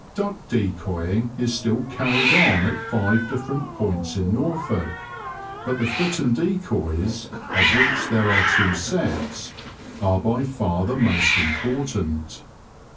Duck decoying is still carried on at five different points in Norfolk, but the Fritton Decoys, of which there are two sets, are by far the most important.